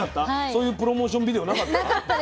そういうプロモーションビデオなかった？